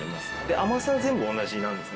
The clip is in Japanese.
甘さは全部同じなんですね